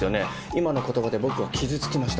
今の言葉で僕は傷つきました。